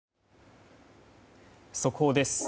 速報です。